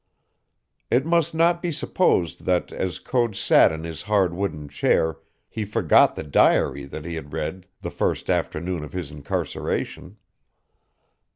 It must not be supposed that, as Code sat in his hard wooden chair, he forgot the diary that he had read the first afternoon of his incarceration.